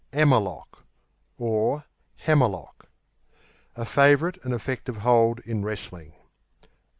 'Ammer lock (Hammer lock) A favourite and effective hold in wrestling.